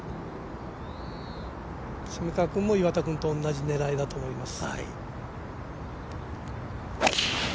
蝉川君も岩田君と同じ狙いだと思います。